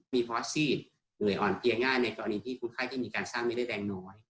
มีภอสิทธิ์เหนื่อยอ่อนเทียง่ายในกรณีที่คุณไข้ที่มีการสร้างเลือดแรงน้อย